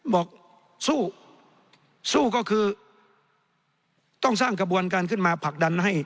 บอกสู้สู้ก็คือต้องสร้างกระบวนการขึ้นมาผลักดันให้